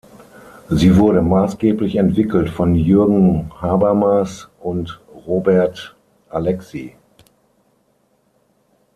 Sie wurde maßgeblich entwickelt von Jürgen Habermas und Robert Alexy.